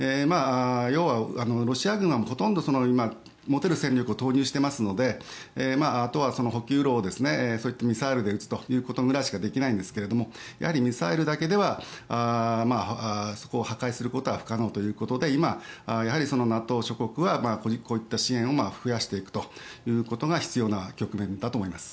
要はロシア軍はほとんど今、持てる戦力を投入していますのであとは補給路をそういったミサイルで撃つということぐらいしかできないんですがやはりミサイルだけではそこを破壊することは不可能ということで今、ＮＡＴＯ諸国はこういった支援を増やしていくということが必要な局面だと思います。